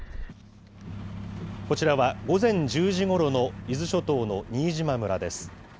こちらは午前１０時ごろの伊豆諸島の新島村です。